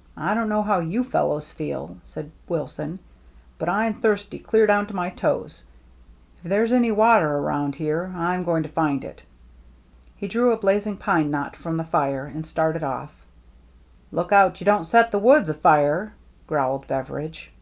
" I don't know how you fellows feel," said Wilson, " but I'm thirsty clear down to my toes. If there's any water around here, Fm going to find it." He drew a blazing pine knot from the fire and started off. " Look out you don't set the woods afire," growled Beveridge.